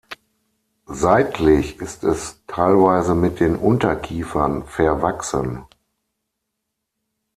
Seitlich ist es teilweise mit den Unterkiefern verwachsen.